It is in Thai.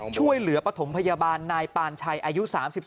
ช่วยเหลือปฐมพยาบาลนายปานชัยอายุ๓๒